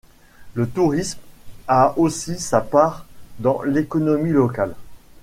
Le tourisme a aussi sa part dans l'économie locale.